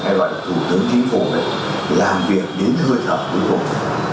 hay là thủ tướng chính phủ làm việc đến hơi thở cuối cùng